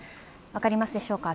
分かりますでしょうか